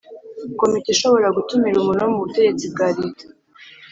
Komite ishobora gutumira umuntu wo mu butegetsi bwa Leta